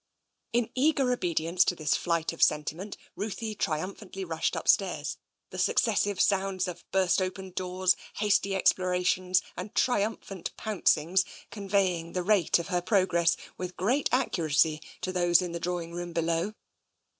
In eager obedience to this flight of sentiment, Ruthie triumphantly rushed upstairs, the successive sounds of burst open doors, hasty explorations, and tritunphant pouncings conveying the rate of her prog ress with great accuracy to those in the drawing room below.